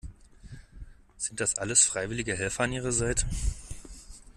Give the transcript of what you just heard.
Sind das alles freiwillige Helfer an ihrer Seite?